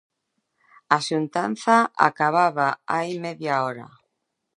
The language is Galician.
A xuntanza acababa hai media hora.